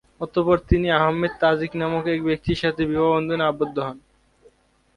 অতঃপর তিনি আহমেদ তাজিক নামক এক ব্যক্তির সাথে বিবাহ বন্ধনে আবদ্ধ হন।